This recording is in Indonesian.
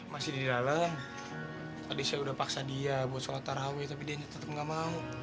masih di dalam tadi saya udah paksa dia buat sholat taraweh tapi dia tetap nggak mau